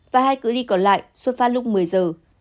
và hai cửa đi còn lại xuất phát lúc một mươi giờ